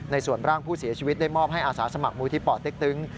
ส่วนร่างผู้เสียชีวิตได้มอบให้อาสาสมัครมูลที่ป่อเต็กตึง